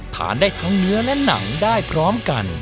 ทานได้ทั้งเนื้อและหนังได้พร้อมกัน